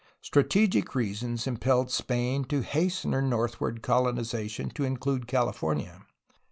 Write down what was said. Strategic rea sons impelled Spain to hasten her northward colonization to include Cahfornia.